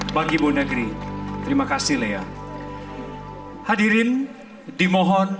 orang orang malam ini akan memepukkan brand within